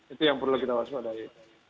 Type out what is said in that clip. itu yang perlu kita waspadai